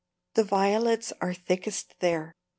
The violets are thickest there.